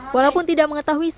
walaupun tidak mengetahui sifatnya